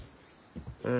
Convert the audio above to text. うん。